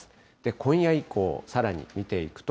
今夜以降、さらに見ていくと。